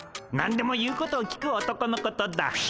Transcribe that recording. なんでも言うことを聞く男のことだ。